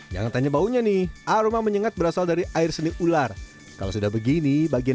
yang tanya baunya nih aroma menyengat berasal dari air seni ular kalau sudah begini bagian